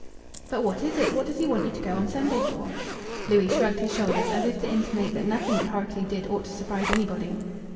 "But what is it? What does he want you to go on Sunday for?" Louis shrugged his shoulders, as if to intimate that nothing that Horrocleave did ought to surprise anybody.